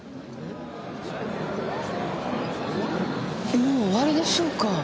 もう終わりでしょうか？